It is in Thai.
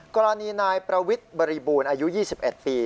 กรณีนายประวิทย์บริบูรณ์อายุ๒๑ปี